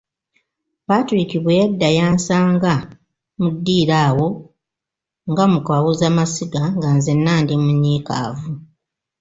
Patrick bwe yadda yansanga mu ddiiro awo nga mu kawozamasiga, nga nzenna ndi munyiikaavu.